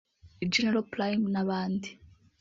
General Prime n’abandi